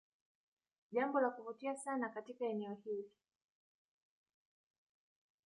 Jambo la kuvutia sana katika eneo hili